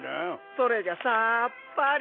それがさっぱり。